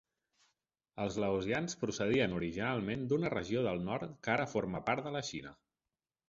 Els laosians procedien originalment d'una regió del nord que ara forma part de la Xina.